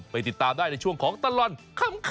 ติดตามได้ในช่วงของตลอดขำ